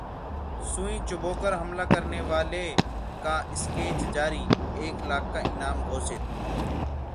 सुई चुभोकर हमला करने वाले का स्केच जारी, एक लाख का इनाम घोषित